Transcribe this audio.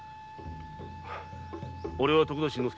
俺は徳田新之助。